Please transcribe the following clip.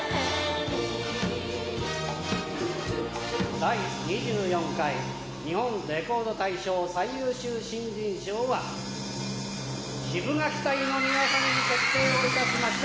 第２４回日本レコード大賞最優秀新人賞はシブがき隊の皆さんに決定をいたしました。